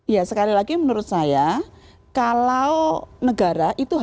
ya sekali lagi menurut saya kalau negara itu harus hadir pada masalah sosial yang tidak terlalu jauh